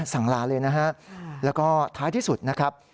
ลาเลยนะฮะแล้วก็ท้ายที่สุดนะครับ